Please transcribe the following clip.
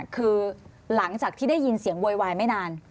คือหลังจากที่ได้ยินเสียงโวยวายไม่นาน